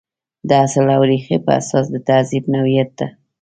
د اصل او ریښې په اساس د تهذیب نوعیت ته.